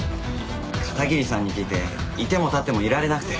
片桐さんに聞いていても立ってもいられなくて。